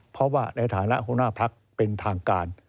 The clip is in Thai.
เพราะว่าในฐานะคุณอภัคเป็นทางการ